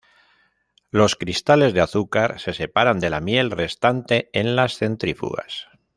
Los cristales de azúcar se separan de la miel restante en las centrífugas.